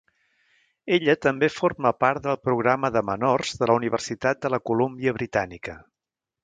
Ella també forma part del programa de menors de la Universitat de la Colúmbia Britànica.